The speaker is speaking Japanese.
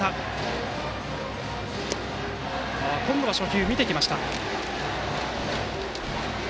今度は初球を見てきました。